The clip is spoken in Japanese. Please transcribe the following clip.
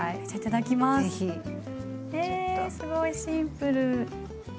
えすごいシンプル！